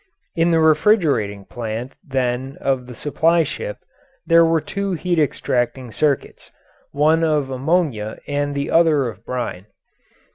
In the refrigerating plant, then, of the supply ship, there were two heat extracting circuits, one of ammonia and the other of brine.